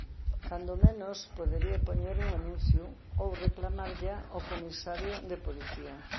Cando menos, podería poñer un anuncio ou reclamarlla ó comisario de policía.